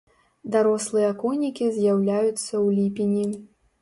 Дарослыя конікі з'яўляюцца ў ліпені.